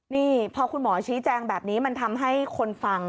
นี่พอคุณหมอชี้แจงแบบนี้มันทำให้คนฟัง